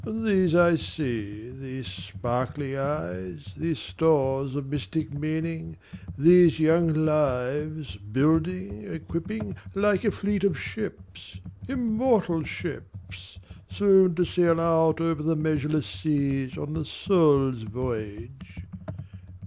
And these I see, these sparkling eyes, These stores of mystic meaning, these young lives, Building, equipping like a fleet of ships, immortal ships, Soon to sail out over the measureless seas, On the soul's voyage.